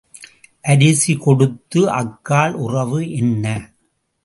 அரிசி கொடுத்து அக்காள் உறவு என்ன?